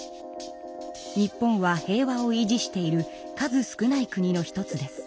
日本は平和を維持している数少ない国の一つです。